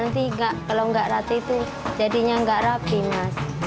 nanti kalau enggak rapi itu jadinya enggak rapi mas